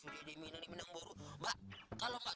lagian opek aku juga loper